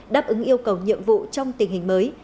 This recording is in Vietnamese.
đáp ứng yêu cầu nhiệm vụ trong tình hình mới